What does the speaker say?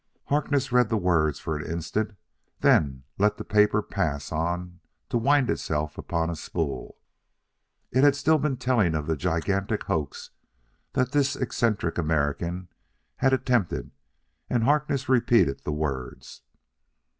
Harkness read the words for an instant, then let the paper pass on to wind itself upon a spool. It had still been telling of the gigantic hoax that this eccentric American had attempted and Harkness repeated the words.